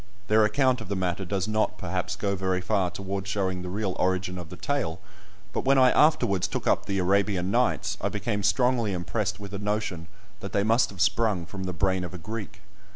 Their account of the matter does not, perhaps, go very far towards showing the real origin of the tale; but when I afterwards took up the "Arabian Nights," I became strongly impressed with a notion that they must have sprung from the brain of a Greek.